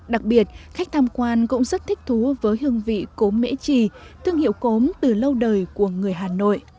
đặc biệt khách tham quan cũng rất thích thú với hương vị cốm mễ trì thương hiệu cốm từ lâu đời của người hà nội